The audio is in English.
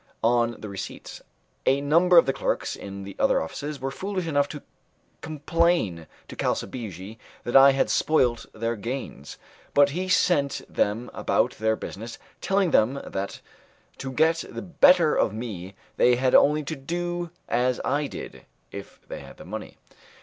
on the receipts. A number of the clerks in the other offices were foolish enough to complain to Calsabigi that I had spoilt their gains, but he sent them about their business telling them that to get the better of me they had only to do as I did if they had the money.